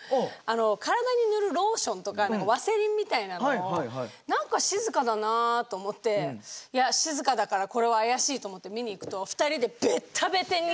体に塗るローションとかワセリンみたいなのを何か静かだなと思っていや静かだからこれは怪しいと思って見に行くと２人でベッタベタにつけ合って。